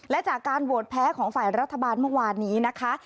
และจากการโหวตแพ้ของฝ่ายรัฐบาลเมื่อวานนี้นะคะ